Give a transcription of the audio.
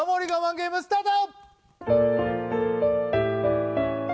ゲームスタート